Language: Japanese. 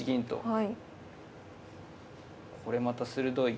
はい。